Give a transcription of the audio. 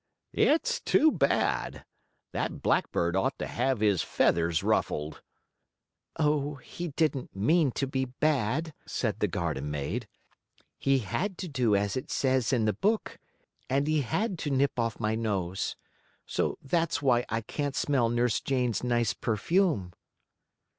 It's too bad. That blackbird ought to have his feathers ruffled." "Oh, he didn't mean to be bad," said the garden maid. "He had to do as it says in the book, and he had to nip off my nose. So that's why I can't smell Nurse Jane's nice perfume."